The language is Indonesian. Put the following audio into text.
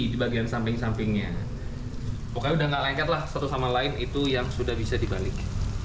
di bagian samping sampingnya pokoknya udah gak lengket lah satu sama lain itu yang sudah bisa dibalik